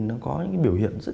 nó có những biểu hiện rất là